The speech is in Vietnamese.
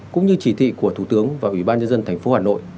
cũng như chỉ thị của thủ tướng và ủy ban nhân dân thành phố hà nội